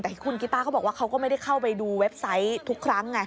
แต่คุณกิต้าเขาบอกว่าเขาก็ไม่ได้เข้าไปดูเว็บไซต์ทุกครั้งไง